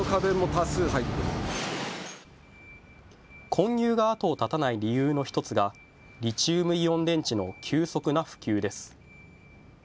混入が後を絶たない理由の１つがリチウムイオン電池の急速な普及です。